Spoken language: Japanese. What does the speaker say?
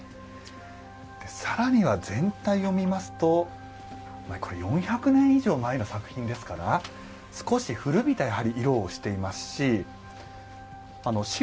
更には全体を見ますとこれ４００年以上前の作品ですから少し古びたやはり色をしていますし白くなった筋のところもあります。